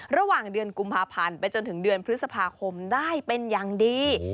ระหว่างเดือนกุมภาพันธ์ไปจนถึงเดือนพฤษภาคมได้เป็นอย่างดี